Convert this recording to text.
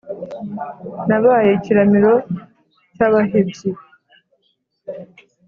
nabaye ikiramiro cy’abahebyi,